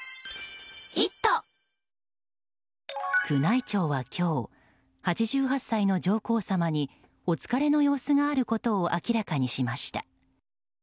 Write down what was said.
宮内庁は今日８８歳の上皇さまにお疲れの様子があることを明らかにしました。